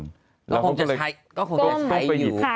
ก็คงจะใช้อยู่คงจะใช้อยู่คงจะใช้อยู่ก็คงไปหยุด